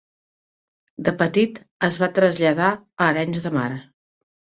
De petit es va traslladar a Arenys de Mar.